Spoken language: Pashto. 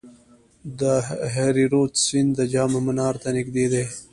د هریرود سیند د جام منار ته نږدې دی